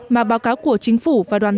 mà báo cáo của chính phủ và đoàn đồng